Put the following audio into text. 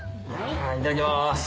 いただきます！